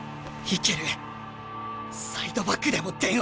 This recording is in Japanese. いける！